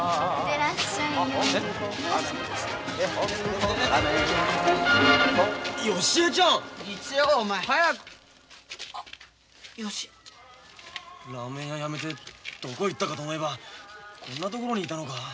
ラーメン屋やめてどこ行ったかと思えばこんなところにいたのか？